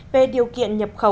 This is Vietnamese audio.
về điều kiện nhập khẩu